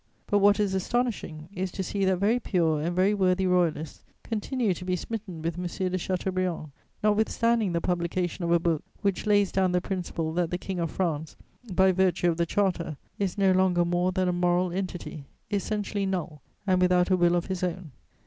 But what is astonishing is to see that very pure and very worthy Royalists continue to be smitten with M. de Chateaubriand, notwithstanding the publication of a book which lays down the principle that the King of France, by virtue of the Charter, is no longer more than a moral entity, essentially null, and without a will of his own.